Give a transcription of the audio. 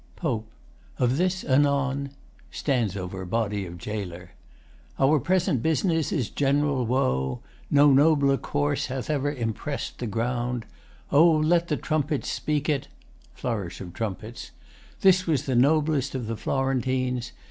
POPE Of this anon. [Stands over body of GAOLER.] Our present business Is general woe. No nobler corse hath ever Impress'd the ground. O let the trumpets speak it! [Flourish of trumpets.] This was the noblest of the Florentines.